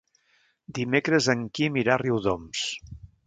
Dimecres en Quim irà a Riudoms.